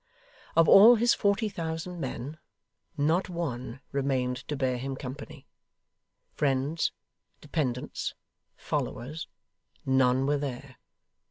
Of all his forty thousand men, not one remained to bear him company. Friends, dependents, followers, none were there.